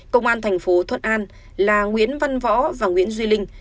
công an tp thuận an là nguyễn văn võ và nguyễn duy linh